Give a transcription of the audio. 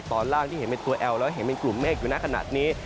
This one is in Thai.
ตอนล่างที่เห็นเป็นตัวแอลแล้วเห็นเป็นกลุ่มเมฆอยู่ในขณะนี้